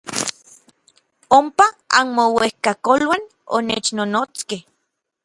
Ompa anmouejkakoluan onechnonotskej.